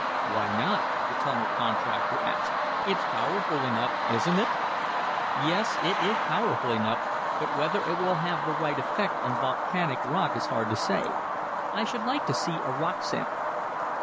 "Why not?" the tunnel contractor asked. "It's powerful enough; isn't it?" "Yes, it is powerful enough, but whether it will have the right effect on volcanic rock is hard to say. I should like to see a rock sample."